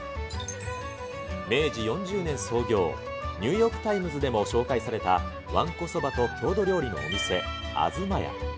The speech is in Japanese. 明治４０年創業、ニューヨークタイムズでも紹介されたわんこそばと郷土料理のお店、東家。